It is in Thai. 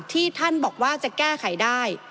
ที่ท่านบอกว่าจะแก้ไขได้